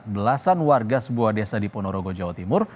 belasan warga sebuah desa di ponorogo jawa timur